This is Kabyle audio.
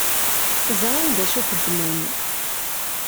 Ẓṛan dacu i xeddmen.